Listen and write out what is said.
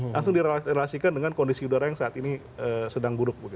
langsung direlasikan dengan kondisi udara yang saat ini sedang buruk